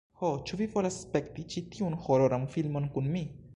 "Ho, ĉu vi volas spekti ĉi tiun hororan filmon kun mi?